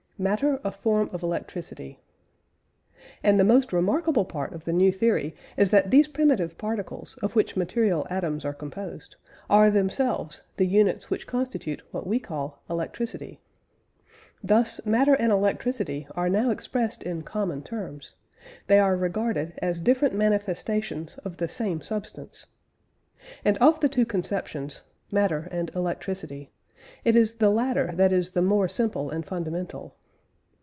MATTER A FORM OF ELECTRICITY. And the most remarkable part of the new theory is that these primitive particles of which material atoms are composed, are themselves the units which constitute what we call "electricity." Thus matter and electricity are now expressed in common terms they are regarded as different manifestations of the same substance. And of the two conceptions matter and electricity it is the latter that is the more simple and fundamental.